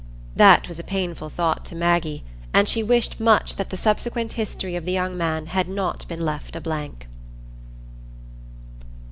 That was a painful thought to Maggie, and she wished much that the subsequent history of the young man had not been left a blank.